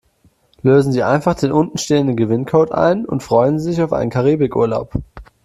Lösen Sie einfach den unten stehenden Gewinncode ein und freuen Sie sich auf einen Karibikurlaub.